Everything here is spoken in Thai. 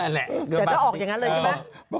แต่ถ้าออกอย่างนั้นเลยใช่ไหม